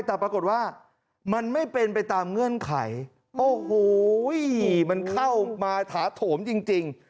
แต่ปรากฏว่ามันไม่เป็นไปตามเงื่อนไขโอ้โหมันเข้ามาถาโถมจริง